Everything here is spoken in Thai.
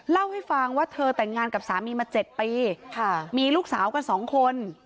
เล่าให้ฟังว่าเธอแต่งงานกับสามีมา๗ปีมีลูกสาวกันสองคน